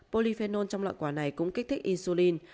polyphenol trong loại quả này cũng kích thích insulin